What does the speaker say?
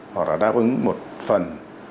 hoặc là đáp ứng một phần